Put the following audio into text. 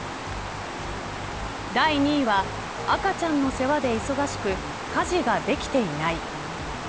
第２は赤ちゃんの世話で忙しく家事ができていない。